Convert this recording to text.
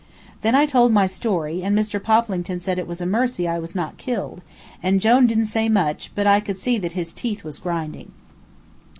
Then I told my story, and Mr. Poplington said it was a mercy I was not killed, and Jone didn't say much, but I could see that his teeth was grinding.